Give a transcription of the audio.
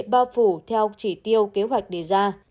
bao phủ theo chỉ tiêu kế hoạch đề ra